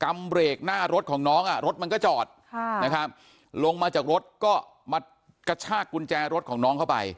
กรรมเรกหน้ารถของน้องรถมันก็จอดลงมาจากรถก็กระชากกุญแจรถของน้องเข้าไป